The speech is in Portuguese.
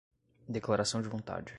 declaração de vontade